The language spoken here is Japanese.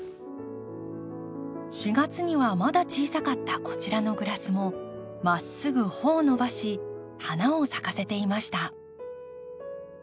４月にはまだ小さかったこちらのグラスもまっすぐ穂を伸ばし花を咲かせていました。